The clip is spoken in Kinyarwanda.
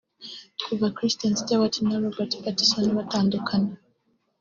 Kuva Kristen Stewart na Robert Pattison batandukana